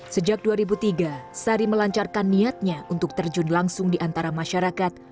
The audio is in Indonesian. sejak dua ribu tiga sari melancarkan niatnya untuk terjun langsung di antara masyarakat